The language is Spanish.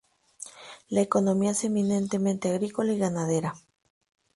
La economía es eminentemente agrícola y ganadera.